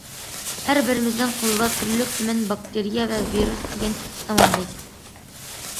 ھەربىرىمىزنىڭ قولىدا تۈرلۈك تۈمەن باكتېرىيە ۋە ۋىرۇس دېگەن ساماندەك.